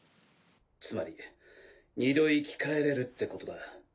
つまり二度生き返れるってことだ。